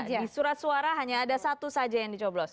di surat suara hanya ada satu saja yang dicoblos